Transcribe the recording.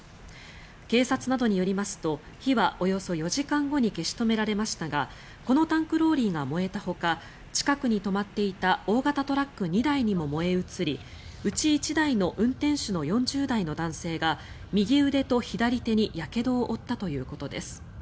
警察などによりますと火はおよそ４時間後に消し止められましたがこのタンクローリーが燃えたほか近くに止まっていた大型トラック２台にも燃え移りうち１台の運転手の４０代の男性が右腕と左手にやけどを負ったということです。